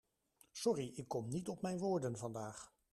Sorry, ik kom niet op mijn woorden vandaag.